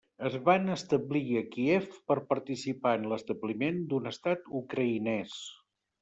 Es van establir a Kíev per participar en l'establiment d'un estat ucraïnès.